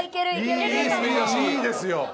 いいですよ。